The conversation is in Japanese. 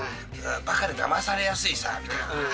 ばかでだまされやすいさ、みたいな。